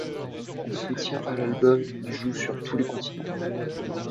En soutien à l'album, ils jouent sur tous les continents.